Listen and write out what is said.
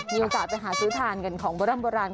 มีโอกาสไปหาซื้อทานกันของประดับประราณ